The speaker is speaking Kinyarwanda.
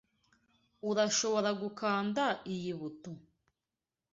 Urashobora gukanda iyi buto?